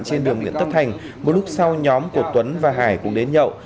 trên đường nguyễn tất thành một lúc sau nhóm của tuấn và hải cũng đến nhậu